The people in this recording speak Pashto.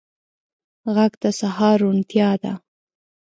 غږ د سهار روڼتیا ده